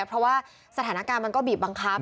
เพราะว่าสถานการณ์มันก็บีบบังคับ